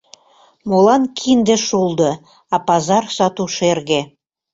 Молан кинде шулдо, а пазар сату шерге?